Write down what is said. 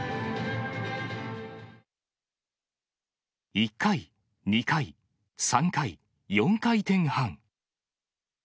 １回、２回、３回、４回転半。